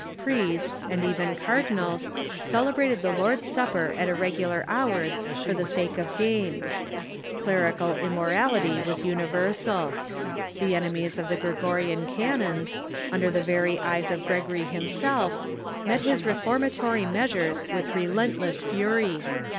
Priests, and even cardinals, celebrated the Lord's Supper at irregular hours for the sake of gain.f Clerical immorality was universal. The enemies of the Gregorian canons, under the very eyes of Gregory himself, met his reformatory meas ures with relentless fury.